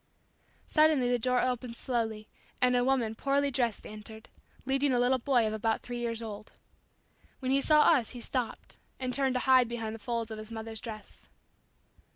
Suddenly the door opened slowly and a woman poorly dressed entered, leading a little boy of about three years old. When he saw us he stopped and turned to hide behind the folds of his mother's dress.